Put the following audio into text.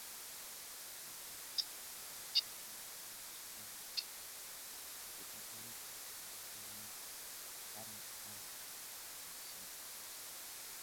Mokat, a néfwekenie ómotí ʼmoti a sɛk bá talak o moŋond bá natalak a sɛk.